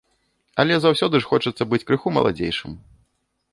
Але заўсёды ж хочацца быць крыху маладзейшым.